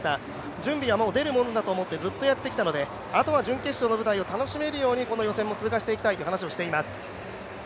準備は出るものだと思ってやってきたので、あとは準決勝を楽しめるようにこの予選も通過していきたいと話しています。